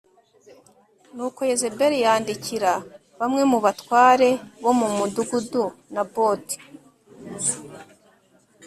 Nuko Yezebeli yandikira bamwe mu batware bo mu mudugudu Naboti